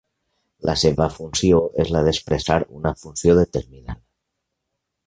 La seva funció és la d'expressar una funció determinada.